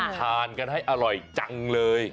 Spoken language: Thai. ทานกันให้อร่อยจังเลย